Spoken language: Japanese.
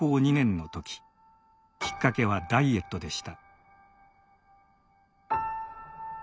きっかけは「ダイエット」でした。